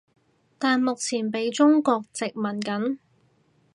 但目前畀中國殖民緊